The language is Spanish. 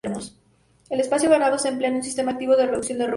El espacio ganado se emplea en un sistema activo de reducción de ruido.